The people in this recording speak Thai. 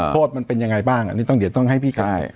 โทษมันเป็นยังไงบ้างนี่เดี๋ยวต้องให้พี่กำลัง